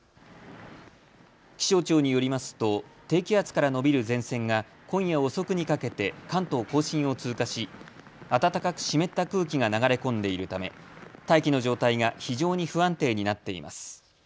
気象庁によりますと低気圧から延びる前線が今夜遅くにかけて関東甲信を通過し、暖かく湿った空気が流れ込んでいるため大気の状態が非常に不安定になっています。